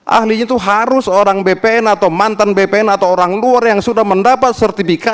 ahlinya itu harus orang bpn atau mantan bpn atau orang luar yang sudah mendapat sertifikat